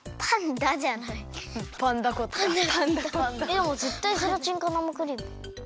でもぜったいゼラチンか生クリーム。